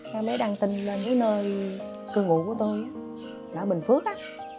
mẹ mới đăng tin lên cái nơi cư ngụ của tôi là ở bình phước á